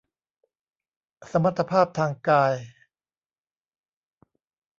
สมรรถภาพทางกาย